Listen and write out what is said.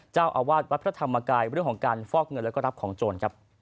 เจ้าอาวาสวัฒนธรรมกายเรื่องของการฟอกเงินและรับของโจร